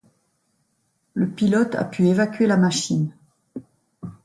Le pilote a pu évacuer la machine.